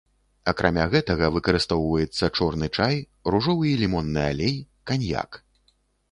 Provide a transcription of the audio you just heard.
Акрамя гэтага, выкарыстоўваецца чорны чай, ружовы і лімонны алей, каньяк.